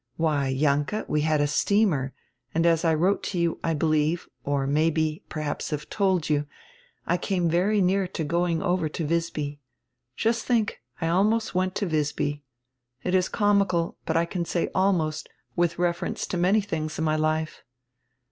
"Why, Jahnke, we had a steamer, and, as I wrote to you, I believe, or may perhaps have told you, I came very near going over to Wisby. Just think, I almost went to Wisby. It is comical, but I can say 'almost' with refer ence to many tilings in my life."